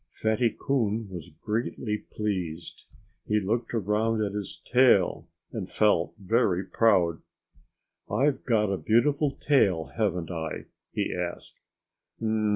Fatty Coon was greatly pleased. He looked around at his tail and felt very proud. "I've got a beautiful tail haven't I?" he asked.